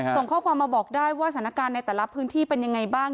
ส่งข้อความมาบอกได้ว่าสถานการณ์ในแต่ละพื้นที่เป็นยังไงบ้าง